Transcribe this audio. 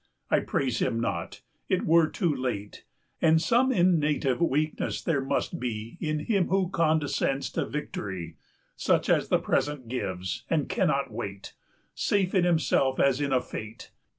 190 I praise him not; it were too late; And some innative weakness there must be In him who condescends to victory Such as the Present gives, and cannot wait, Safe in himself as in a fate.